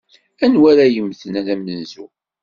Anwa ara yemmten d amenzu?